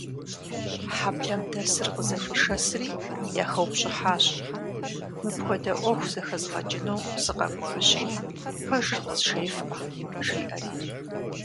Хьэблэм дэсыр къызэхуишэсри, яхэупщӀыхьащ, мыпхуэдэ Ӏуэху зэхэзгъэкӀыну сыкъэкӀуащи, пэжыр къызжефӀэ, жиӀэри.